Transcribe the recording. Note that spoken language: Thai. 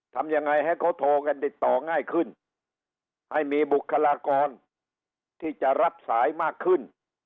ทำยังไงให้เขาโทรกันติดต่อง่ายขึ้นให้มีบุคลากรที่จะรับสายมากขึ้น